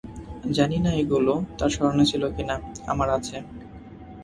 জানি না এগুলো তার স্মরণে ছিল কিনা, আমার আছে।